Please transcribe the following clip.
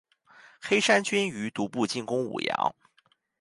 黑山军于毒部进攻武阳。